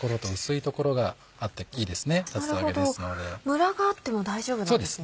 ムラがあっても大丈夫なんですね。